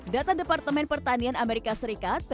data departemen pertanian amerika serikat